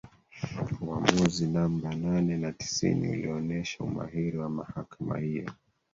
uamuzi namba nane na tisini ulionesha umahiri wa mahakama hiyo